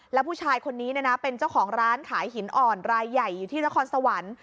แล้วผู้ชายคนนี้เป็นเจ้าของร้านขายหินอ่อนรายใหญ่อยู่ที่นครสวรรค์